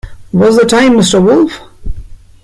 What's the time, Mr Wolf?